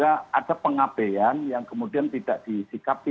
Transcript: ada pengabean yang kemudian tidak disikapi